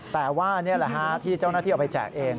แต่ว่านี่แหละฮะที่เจ้าหน้าที่เอาไปแจกเอง